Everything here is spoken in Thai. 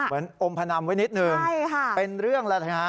เหมือนอมพนำไว้นิดหนึ่งเป็นเรื่องละครับ